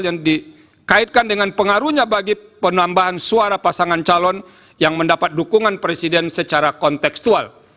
yang dikaitkan dengan pengaruhnya bagi penambahan suara pasangan calon yang mendapat dukungan presiden secara konteksual